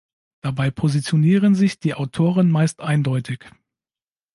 Dabei positionieren sich die Autoren meist eindeutig.